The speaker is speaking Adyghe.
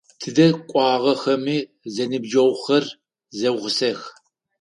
Тыдэ кӏуагъэхэми, зэныбджэгъухэр зэгъусэх.